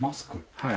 はい。